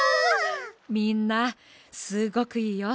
みんなすごくいいよ。